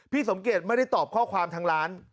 สมเกียจไม่ได้ตอบข้อความทางร้าน